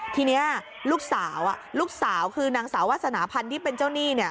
ทีนี้ลูกสาวลูกสาวคือนางสาววาสนาพันธ์ที่เป็นเจ้าหนี้เนี่ย